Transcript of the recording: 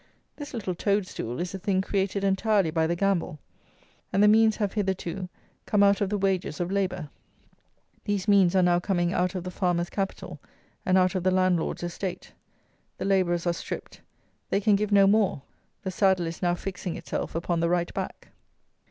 This little toad stool is a thing created entirely by the gamble; and the means have, hitherto, come out of the wages of labour. These means are now coming out of the farmer's capital and out of the landlord's estate; the labourers are stripped; they can give no more: the saddle is now fixing itself upon the right back.